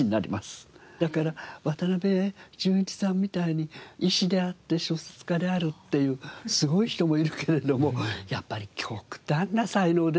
だから渡辺淳一さんみたいに医師であって小説家であるっていうすごい人もいるけれどもやっぱり極端な才能ですよね。